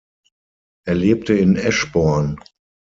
Er lebte in Eschborn.